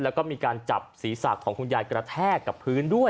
แล้วก็มีการจับศีรษะของคุณยายกระแทกกับพื้นด้วย